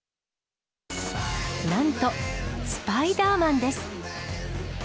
なんと、スパイダーマンです。